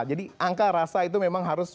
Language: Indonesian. jadi angka rasa itu memang harus